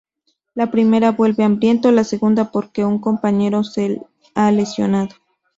La primera vuelve hambriento, la segunda porque un compañero se ha lesionado.